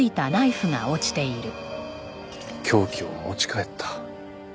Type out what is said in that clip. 凶器を持ち帰った。